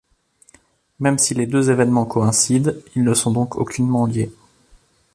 Même si les deux événements coïncident, ils ne sont donc aucunement liés.